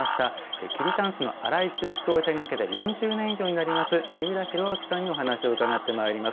桐たんすの洗い・修復を手がけて４０年以上になります三浦弘晃さんにお話を伺ってまいります。